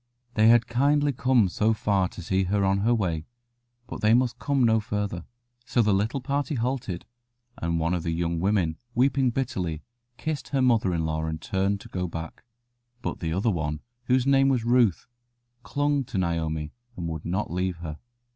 They had kindly come so far to see her on her way, but they must come no farther. So the little party halted, and one of the young women, weeping bitterly, kissed her mother in law and turned to go back. But the other one, whose name was Ruth, clung to Naomi, and would not leave her.